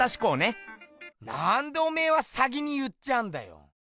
なんでおめえは先に言っちゃうんだよ！